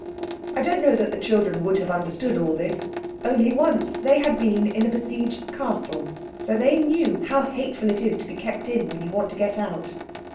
I don't know that the children would have understood all this, only once they had been in a besieged castle, so they knew how hateful it is to be kept in when you want to get out.